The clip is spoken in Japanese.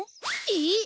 えっ？